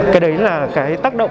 cái đấy là cái tác động